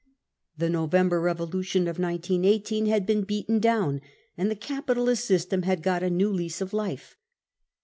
The November revolu * lion of 191.8 had been beaten down, and the capitalist system had got a new lease of life.